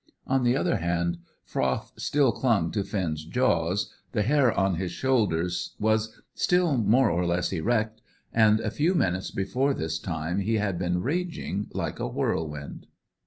On the other hand, froth still clung to Finn's jaws, the hair on his shoulders was still more or less erect, and a few minutes before this time he had been raging like a whirlwind.